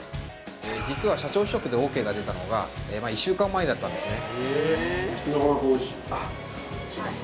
実は社長試食でＯＫが出たのが１週間前だったんですね